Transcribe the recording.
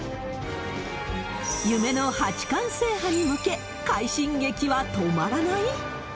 夢の八冠制覇に向け、快進撃は止まらない？